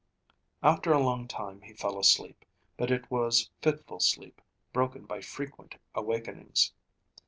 After a long time he fell asleep, but it was fitful sleep broken by frequent awakenings.